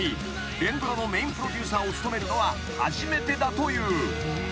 連ドラのメインプロデューサーを務めるのは初めてだという］